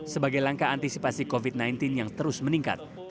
sebagai langkah antisipasi covid sembilan belas yang terus meningkat